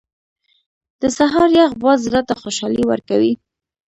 • د سهار یخ باد زړه ته خوشحالي ورکوي.